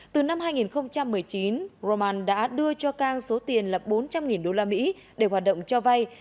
từ năm hai nghìn một mươi chín roman đã đưa cho cang số tiền là bốn trăm linh đô la mỹ để hoạt động cho vay